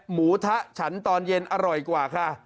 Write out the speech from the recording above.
หมูทะฉันตอนเย็นอร่อยกว่าค่ะ